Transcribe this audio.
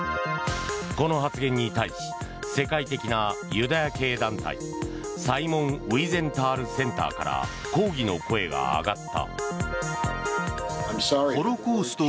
この発言に対し世界的なユダヤ系団体サイモン・ウィーゼンタール・センターから抗議の声が上がった。